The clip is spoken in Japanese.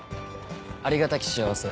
ありがたき幸せ。